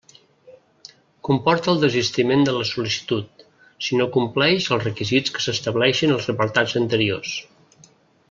Comporta el desistiment de la sol·licitud, si no compleix els requisits que s'estableixen als apartats anteriors.